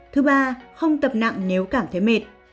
thứ ba không tập nặng nếu cảm thấy mệt